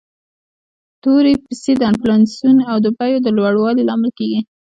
تورې پیسي د انفلاسیون او د بیو د لوړوالي لامل کیږي.